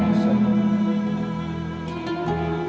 terima kasih suhaim